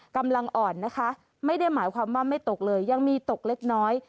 กำลังอ่อนนะคะไม่ได้หมายความว่าไม่ตกเลยยังมีตกเล็กน้อย